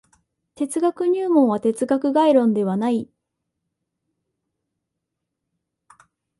哲学入門は哲学概論ではない。